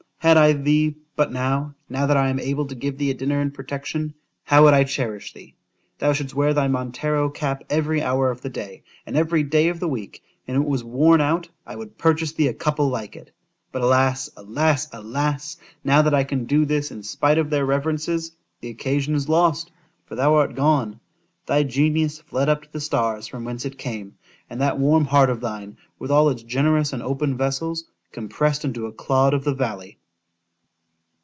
had I thee, but now,—now, that I am able to give thee a dinner and protection,—how would I cherish thee! thou should'st wear thy Montero cap every hour of the day, and every day of the week.—and when it was worn out, I would purchase thee a couple like it:——But alas! alas! alas! now that I can do this in spite of their reverences—the occasion is lost—for thou art gone;—thy genius fled up to the stars from whence it came;—and that warm heart of thine, with all its generous and open vessels, compressed into a _clod of the valley!